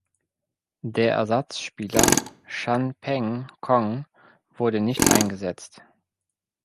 Der Ersatzspieler Chan Peng Kong wurde nicht eingesetzt.